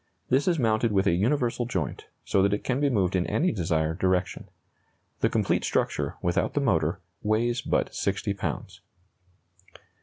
This is mounted with a universal joint, so that it can be moved in any desired direction. The complete structure, without the motor, weighs but 60 pounds.